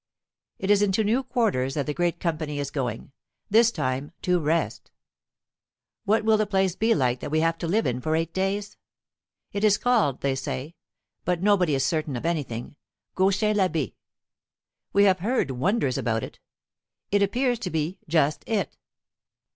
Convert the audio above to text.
It is into new quarters that the great company is going this time to rest. What will the place be like that we have to live in for eight days? It is called, they say but nobody is certain of anything Gauchin l'Abbe. We have heard wonders about it "It appears to be just it."